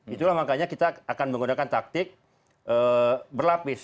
itulah makanya kita akan menggunakan taktik berlapis